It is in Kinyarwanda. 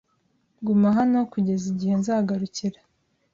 Guma hano kugeza igihe nzagarukira.